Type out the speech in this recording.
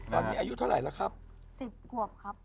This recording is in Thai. ตอนนี้อายุเท่าไหร่ละครับ